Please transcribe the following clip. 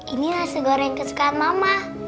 ini nasi goreng kesukaan mama